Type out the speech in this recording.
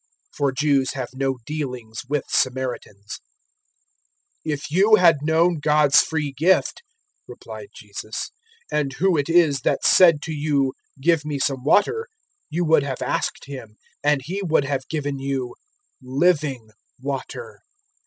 (For Jews have no dealings with Samaritans.) 004:010 "If you had known God's free gift," replied Jesus, "and who it is that said to you, `Give me some water,' you would have asked Him, and He would have given you living water."